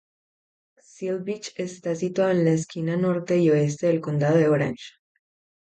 Seal Beach está situado en la esquina norte y oeste del condado de Orange.